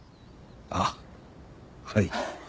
あっはい。